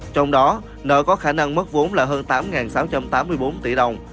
trong đó nợ có khả năng mất vốn là hơn tám sáu trăm tám mươi bốn tỷ đồng